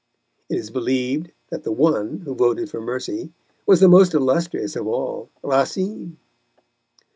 It is believed that the one who voted for mercy was the most illustrious of all, Racine.